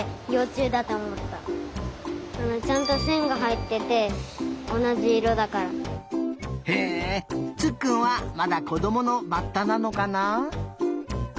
ちゃんとせんがはいってておなじいろだから。へえつっくんはまだこどものバッタなのかな？